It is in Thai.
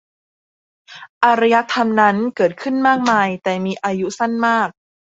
อารยธรรมนั้นเกิดขึ้นมากมายแต่มีอายุสั้นมาก